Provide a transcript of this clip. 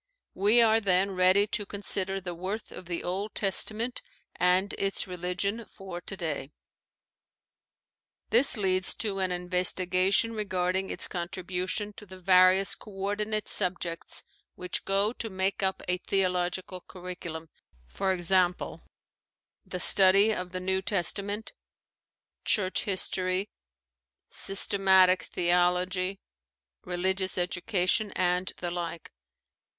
We are then ready to con sider the worth of the Old Testament and its religion for today. This leads to an investigation regarding its con tribution to the various co ordinate subjects which go to make up a theological curriculum, e.g., the study of the New Testament, church history, systematic theology, religious education, and the like.